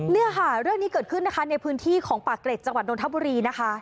เรื่องนี้เกิดขึ้นในพื้นที่ของปากเกร็ดจังหวัดนนทบุรีนะคะ